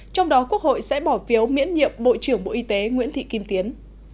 trong đó quốc hội sẽ bỏ phiếu miễn nhiệm bộ trưởng bộ y tế nguyễn thị kim tiến